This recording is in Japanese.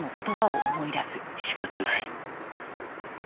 仕方ない。